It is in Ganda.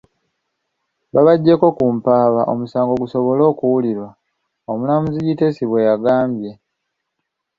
Babaggyeko ku mpaaba, omusango gusobole okuwulirwa, omulamuzi Yitesi bwe yagambye.